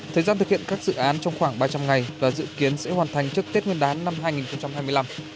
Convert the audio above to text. thời gian thực hiện các dự án trong khoảng ba trăm linh ngày và dự kiến sẽ hoàn thành trước tết nguyên đán năm hai nghìn hai mươi năm